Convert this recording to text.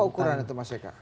ukuran itu mas eka